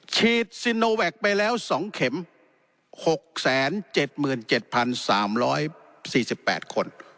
ฉีดซิโนแวคไปแล้ว๒เข็ม๖๗๗๓๔๘คน